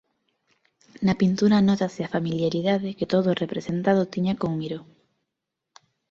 Na pintura nótase a familiaridade que todo o representado tiña con Miró.